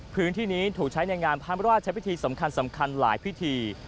พื้นที่นี้ถูกใช้ในงานพระราชพิธีสำคัญหลายพิธี